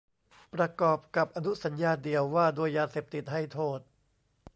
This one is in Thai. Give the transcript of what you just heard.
ประกอบกับอนุสัญญาเดี่ยวว่าด้วยยาเสพติดให้โทษ